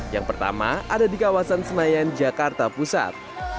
yang pertama ada di kawasan senayan jakarta pusat